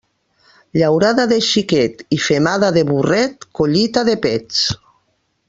Llaurada de xiquet i femada de burret, collita de pets.